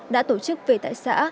đã tổ chức về tại xã